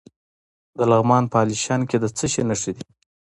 د لغمان په الیشنګ کې د څه شي نښې دي؟